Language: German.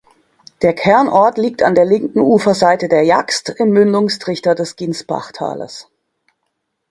Der Kernort liegt an der linken Uferseite der Jagst im Mündungstrichter des Ginsbachtales.